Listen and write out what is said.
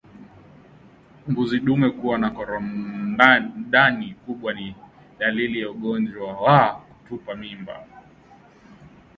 Mbuzi dume kuwa na korodani kubwa ni dalili za ugonjwa wa kutupa mimba